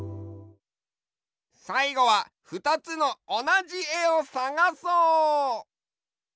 さいごはふたつのおなじえをさがそう！